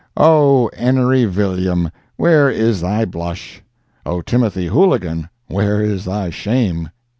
Oh, 'Enery Villiam, where is thy blush! Oh, Timothy Hooligan, where is thy shame!